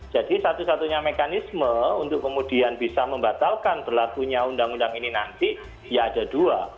jadi satu satunya mekanisme untuk kemudian bisa membatalkan berlakunya undang undang ini nanti ya ada dua